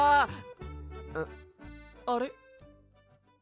あれ？